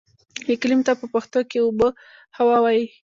اقليم ته په پښتو کې اوبههوا وايي.